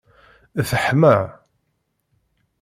Teḥma.